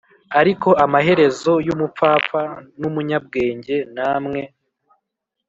Ariko amaherezo yumupfapfa numunyabwenge namwe